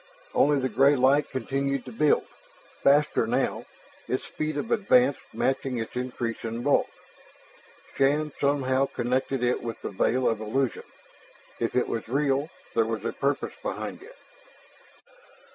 Only the gray light continued to build, faster now, its speed of advance matching its increase in bulk. Shann somehow connected it with the veil of illusion. If it was real, there was a purpose behind it.